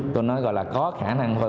tôi nói gọi là có khả năng thôi